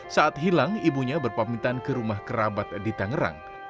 saat hilang ibunya berpamitan ke rumah kerabat di tangerang